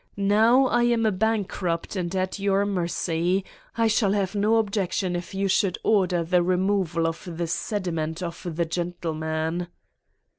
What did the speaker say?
Now I am a bankrupt and at your mercy. I shall have no objection if you should order the removal of the sediment of the gentleman."